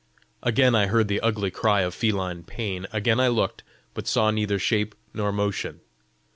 Again I heard the ugly cry of feline pain. Again I looked, but saw neither shape nor motion.